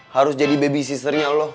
harus jadi baby sisternya lo